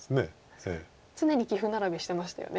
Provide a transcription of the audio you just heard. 常に棋譜並べしてましたよね。